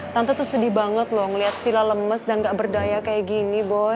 tante tuh sedih banget loh ngeliat sila lemes dan gak berdaya kayak gini bos